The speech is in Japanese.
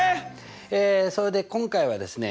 えそれで今回はですね